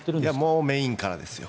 もうメインからですよ